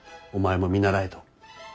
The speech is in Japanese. お前も見習えと。